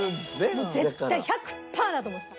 もう絶対１００パーだと思ってた。